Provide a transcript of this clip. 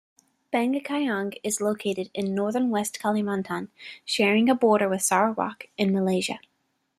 Bengkayang is located in northern West Kalimantan, sharing a border with Sarawak in Malaysia.